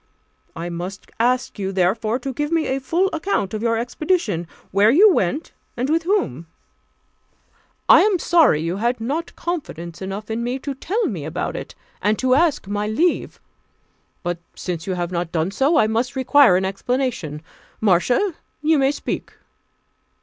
I must ask you, therefore, to give me a full account of your expedition where you went, and with whom. I am sorry you had not confidence enough in me to tell me about it, and to ask my leave; but since you have not done so, I must require an explanation, Marcia, you may speak."